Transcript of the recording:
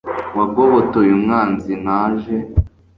wangobotoye umwanzi, naje